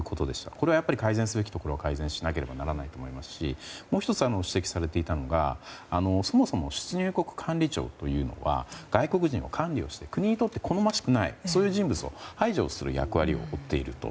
これは改善すべきところは改善しなければならないと思いますしもう１つ、指摘されていたのがそもそも出入国管理庁というのは外国人の管理をして国にとって好ましくない人物を排除する役割を負っていると。